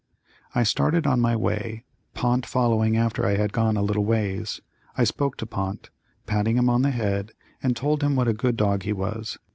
I started on my way, Pont following after I had gone a little ways. I spoke to Pont, patting him on the head and told him what a good dog he was.